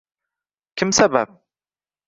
Kim sabab?